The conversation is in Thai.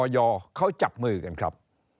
เขาจับมือกันครับ